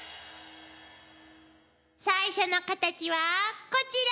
最初のカタチはこちら！